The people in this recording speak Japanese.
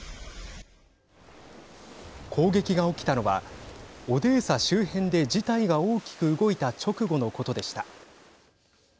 攻撃が起きたのはオデーサ周辺で事態が大きく動いた直後のことでした。